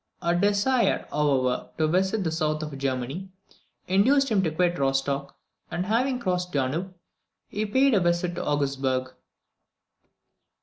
A desire, however, to visit the south of Germany induced him to quit Rostoch, and having crossed the Danube, he paid a visit to Augsburg.